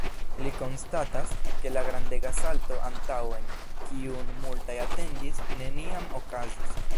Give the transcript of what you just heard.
Li konstatas, ke la grandega salto antaŭen, kiun multaj atendis, neniam okazis.